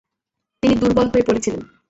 তিনি দুর্বল হয়ে পড়েছিলেন।